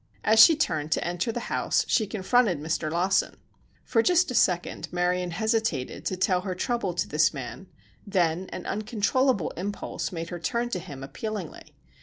As she turned to enter the house she confronted Mr. Lawson. For just a second Marion hesitated to tell her trouble to this man, then an uncontrollable impulse made her turn to him appealingly.